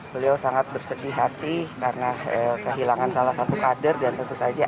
beliau sangat bersedih hati karena kehilangan salah satu kader dan tentu saja